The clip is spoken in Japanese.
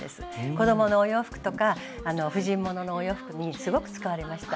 子どものお洋服とか婦人物のお洋服にすごく使われました。